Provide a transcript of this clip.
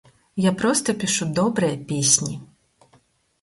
Я проста пішу добрыя песні.